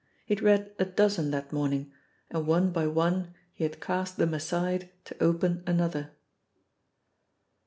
He had read a dozen that morning, and one by one he had cast them aside to open another.